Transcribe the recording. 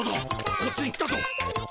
こっちに来たぞ。